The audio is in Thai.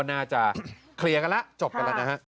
น่าจะเคลียร์กันแล้วจบกันแล้วนะฮะ